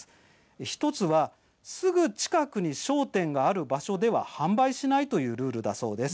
１つは、すぐ近くに商店がある場所では販売しないというルールだそうです。